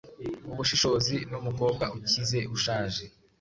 Ubushishozi numukobwa ukize ushaje